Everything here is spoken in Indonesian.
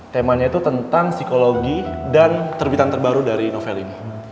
temanya itu tentang psikologi dan terbitan terbaru dari novelimu